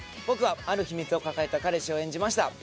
僕はある秘密を抱えた彼氏を演じました。